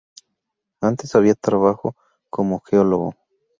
Antes, había trabajó como geólogo.